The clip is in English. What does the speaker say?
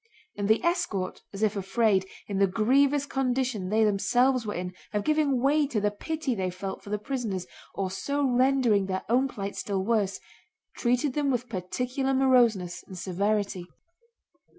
And the escort, as if afraid, in the grievous condition they themselves were in, of giving way to the pity they felt for the prisoners and so rendering their own plight still worse, treated them with particular moroseness and severity.